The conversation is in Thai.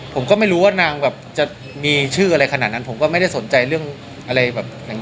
ผมก็ไม่รู้ว่านางแบบจะมีชื่ออะไรขนาดนั้นผมก็ไม่ได้สนใจเรื่องอะไรแบบอย่างนี้